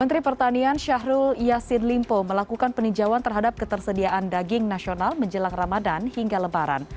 menteri pertanian syahrul yassin limpo melakukan peninjauan terhadap ketersediaan daging nasional menjelang ramadan hingga lebaran